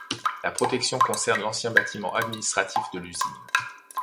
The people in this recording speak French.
La protection concerne l'ancien bâtiment administratif de l'usine.